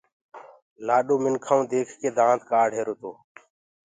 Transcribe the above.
گھوٽ منکآئو ديک ڪي دآنت ڪآڙهيرو تو